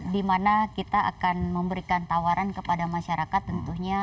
di mana kita akan memberikan tawaran kepada masyarakat tentunya